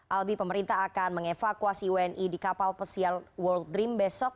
albi pemerintah akan mengevakuasi wni di kapal pesiar world dream besok